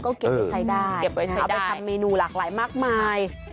ก็เก็บไว้ใส่ได้เอาไปทำเมนูหลากหลายมากมาย